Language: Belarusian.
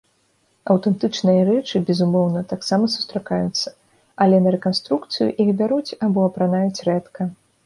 Аўтэнтычныя рэчы, безумоўна, таксама сустракаюцца, але на рэканструкцыю іх бяруць або апранаюць рэдка.